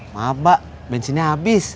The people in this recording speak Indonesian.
maaf mbak bensinnya abis